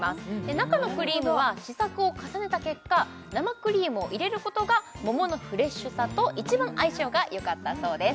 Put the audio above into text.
中のクリームは試作を重ねた結果生クリームを入れることが桃のフレッシュさと一番相性がよかったそうです